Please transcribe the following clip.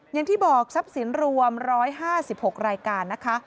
อย่างที่บอกทรัพย์สินรวม๑๕๖รายการนะคะ